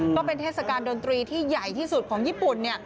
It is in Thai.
ก็เป็นเทศกาลดนตรีที่ใหญ่ที่สุดของญี่ปุ่น